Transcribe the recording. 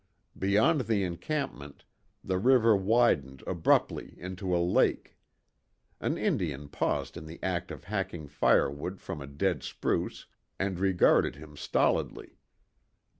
Beyond the encampment, the river widened abruptly into a lake. An Indian paused in the act of hacking firewood from a dead spruce, and regarded him stolidly.